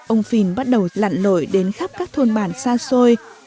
ông phìn bắt đầu lặn lội đến khắp các thôn bản xa xôi